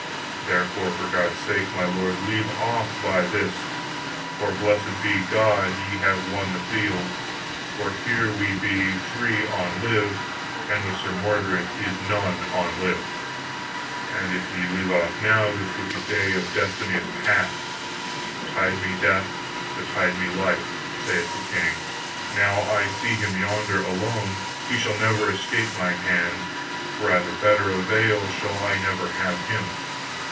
Therefore, for God's sake, my lord, leave off by this. For blessed be God ye have won the field: for here we be three on live, and with Sir Mordred is none on live. And if ye leave off now, this wicked day of destiny is past. Tide me death, betide me life, saith the king, now I see him yonder alone, he shall never escape mine hands, for at a better avail shall I never have him.